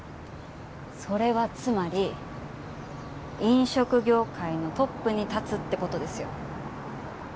それはつまり飲食業界のトップに立つって事ですよ。